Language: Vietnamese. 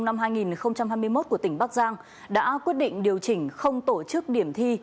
năm hai nghìn hai mươi một của tỉnh bắc giang đã quyết định điều chỉnh không tổ chức điểm thi